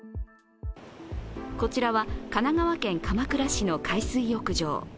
こちらは、神奈川県鎌倉市の海水浴場。